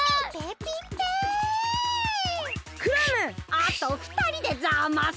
あとふたりでざます。